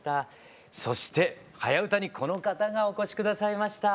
そして「はやウタ」にこの方がお越し下さいました。